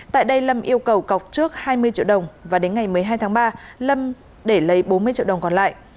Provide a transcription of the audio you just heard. tại đây lâm yêu cầu cọc trước hai mươi triệu đồng và đến ngày một mươi hai tháng ba lâm để lấy bốn mươi triệu đồng còn lại